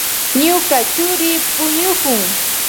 Ñuka churi puñukun.